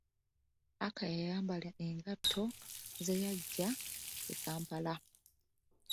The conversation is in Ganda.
Akaya yayambala engatto ze yaggya e kampala.